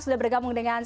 sudah bergabung dengan